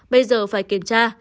bây giờ phải kiểm tra